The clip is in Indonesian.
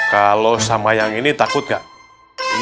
kalau sama yang ini takut gak